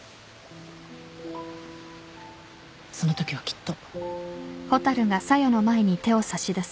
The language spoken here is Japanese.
そのときはきっと。